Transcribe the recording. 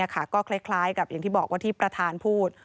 ก็คล้ายกับอย่างที่บอกว่าที่ประธานพูด